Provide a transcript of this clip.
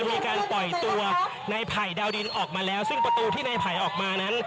มีการปล่อยตัวในไผ่ดาวดินออกมาแล้วซึ่งประตูที่ในไผ่ออกมานั้น